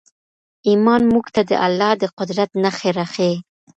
ایمان موږ ته د الله د قدرت نښې راښیي.